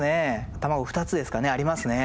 卵２つですかねありますね。